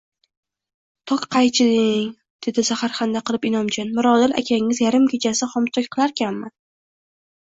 Toqqaychi deng, dedi zaharxanda qilib Inomjon, Mirodil akangiz yarim kechasi xomtok qilarkanmi